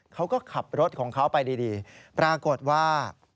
เขาก็ขับรถของเขาไปดีปรากฏว่า